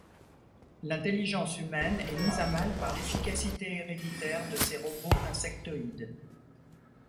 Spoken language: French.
L’intelligence humaine est mise à mal par l’efficacité héréditaire de ces robots insectoïdes.